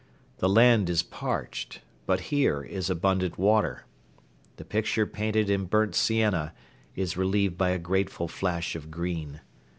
The land is parched, but here is abundant water. The picture painted in burnt sienna is relieved by a grateful flash of green.